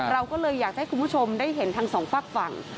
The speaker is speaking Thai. เราก็เลยอยากจะให้คุณผู้ชมได้เห็นทั้งสองฝากฝั่ง